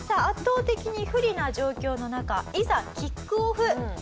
圧倒的に不利な状況の中いざキックオフ！